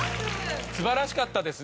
素晴らしかったですね